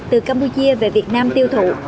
từ campuchia về việt nam tiêu thụ